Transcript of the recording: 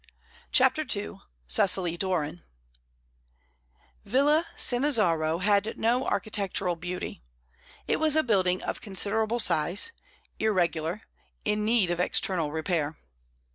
CHAPTER II CECILY DORAN Villa Sannazaro had no architectural beauty; it was a building of considerable size, irregular, in need of external repair.